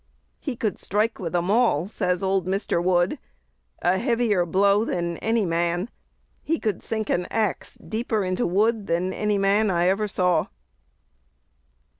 "He could strike with a mall," says old Mr. Wood, "a heavier blow than any man.... He could sink an axe deeper into wood than any man I ever saw."